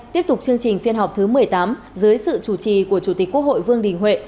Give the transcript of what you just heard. tiếp tục chương trình phiên họp thứ một mươi tám dưới sự chủ trì của chủ tịch quốc hội vương đình huệ